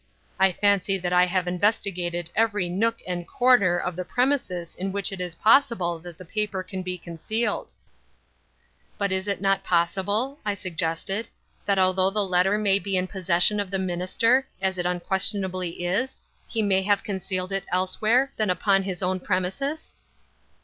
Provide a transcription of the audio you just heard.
I fancy that I have investigated every nook and corner of the premises in which it is possible that the paper can be concealed." "But is it not possible," I suggested, "that although the letter may be in possession of the minister, as it unquestionably is, he may have concealed it elsewhere than upon his own premises?"